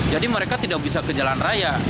jadi mereka tidak bisa ke jalan raya